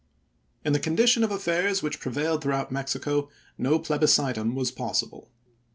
In the condition of affairs which prevailed throughout Mexico, no plebiscitum was possible.